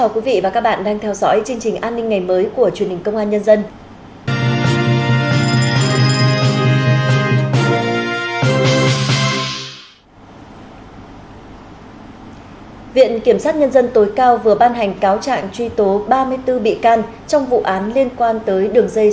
các bạn hãy đăng ký kênh để ủng hộ kênh của chúng mình nhé